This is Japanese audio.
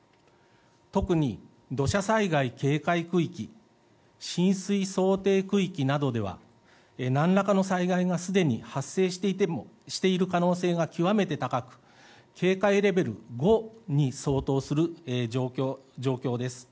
特に土砂災害警戒区域浸水想定区域などではなんらかの災害がすでに発生している可能性が極めて高く警戒レベル５に相当する状況です。